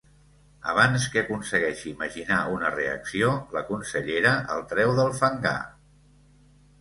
Abans que aconsegueixi imaginar una reacció, la consellera el treu del fangar.